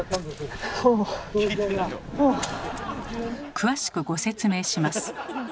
詳しくご説明します。